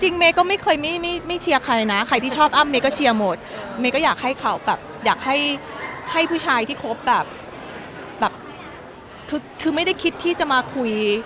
จริงเม้ก็ไม่เคยไม่เชียร์ใครใครที่ชอบอ้ำเมก็เชียร์หมดเมก็อยากให้เขาแบบให้ผู้ชายที่โครงพยาบาลไม่จะคุย